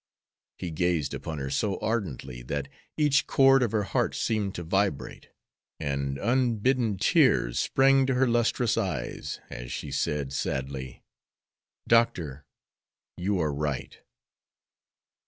He gazed upon her so ardently that each cord of her heart seemed to vibrate, and unbidden tears sprang to her lustrous eyes, as she said, sadly: "Doctor, you are right."